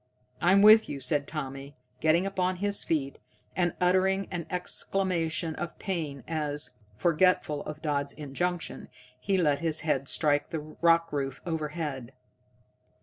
"I'm with you," said Tommy, getting upon his feet, and uttering an exclamation of pain as, forgetful of Dodd's injunction, he let his head strike the rock roof overhead.